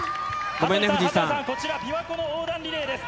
羽鳥さん、こちら、びわ湖の横断リレーです。